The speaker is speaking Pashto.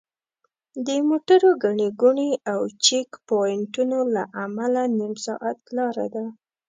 د موټرو ګڼې ګوڼې او چیک پواینټونو له امله نیم ساعت لاره ده.